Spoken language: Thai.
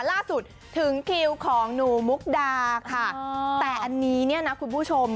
ถึงคิวของหนูมุกดาค่ะแต่อันนี้เนี่ยนะคุณผู้ชม